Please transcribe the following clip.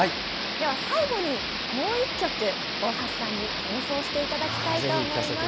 最後に、もう１曲大橋さんに演奏していただきたいと思います。